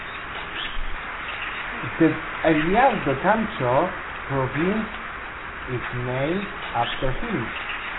The Eliodoro Camacho Province is named after him.